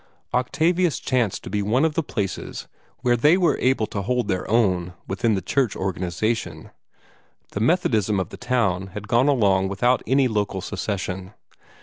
Octavius chanced to be one of the places where they were able to hold their own within the church organization. The Methodism of the town had gone along without any local secession.